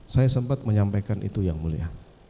saya sempat menyampaikan itu yang mulia